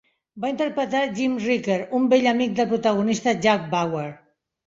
Va interpretar Jim Ricker, un vell amic del protagonista Jack Bauer.